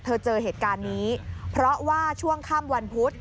เจอเหตุการณ์นี้เพราะว่าช่วงค่ำวันพุธ